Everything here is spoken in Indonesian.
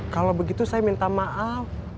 kalau begitu saya minta maaf